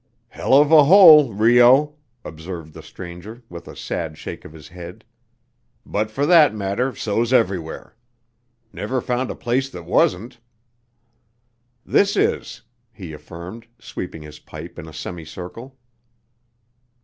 "Hell of a hole Rio," observed the stranger, with a sad shake of his head. "But fer that matter so's everywhere. Never found a place what wasn't. This is," he affirmed, sweeping his pipe in a semicircle.